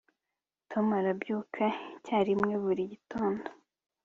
tom arabyuka icyarimwe buri gitondo